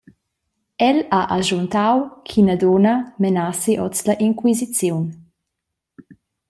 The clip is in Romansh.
El ha aschuntau ch’ina dunna menassi oz la inquisiziun.